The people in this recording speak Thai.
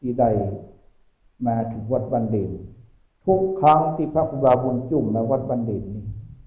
ที่ใดมาถึงวัดบันเด็นทุกครั้งที่พระคุณบาทวงจูมมาวัดบันเด็นนั้น